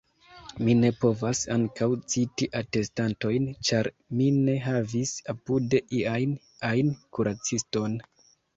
Mi ne povas ankaŭ citi atestantojn, ĉar mi ne havis apude ian ajn kuraciston.